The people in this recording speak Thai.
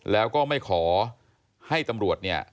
แล้วก็ไม่ขอให้ตำรวจเนี่ย